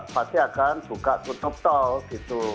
pasti akan buka tutup tol gitu